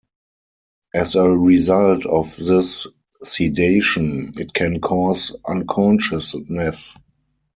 As a result of this sedation it can cause unconsciousness.